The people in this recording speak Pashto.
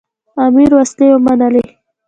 امیر وسلې ومنلې.